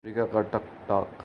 امریکا کا ٹک ٹاک